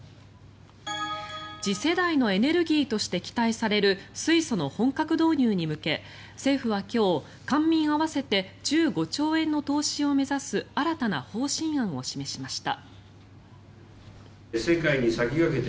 次世代のエネルギーとして期待される水素の本格導入に向け政府は今日官民合わせて１５兆円の投資を目指す新たな方針案を示しました。